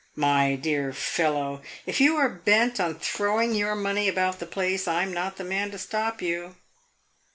My dear fellow, if you are bent on throwing your money about the place I 'm not the man to stop you."